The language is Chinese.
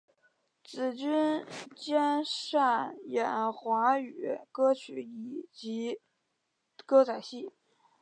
紫君兼擅演唱华语歌曲及歌仔戏。